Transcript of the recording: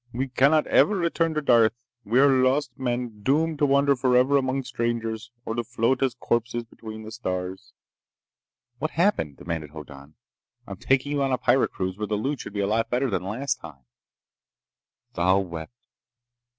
We cannot ever return to Darth. We are lost men, doomed to wander forever among strangers, or to float as corpses between the stars." "What happened?" demanded Hoddan. "I'm taking you on a pirate cruise where the loot should be a lot better than last time!" Thal wept.